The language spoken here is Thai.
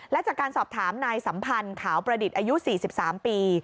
และจากการสอบถามนายสัมพันธ์ขาวประดิษฐ์อายุ๔๓ปี